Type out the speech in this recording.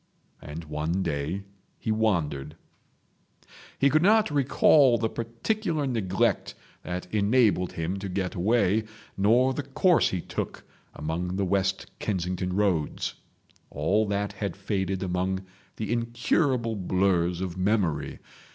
And one day he wandered. He could not recall the particular neglect that enabled him to get away, nor the course he took among the West Kensington roads. All that had faded among the incurable blurs of memory.